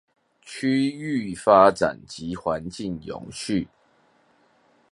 區域發展及環境永續